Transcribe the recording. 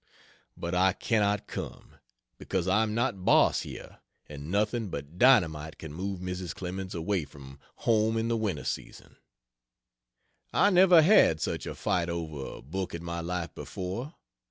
But I cannot come, because I am not Boss here, and nothing but dynamite can move Mrs. Clemens away from home in the winter season. I never had such a fight over a book in my life before.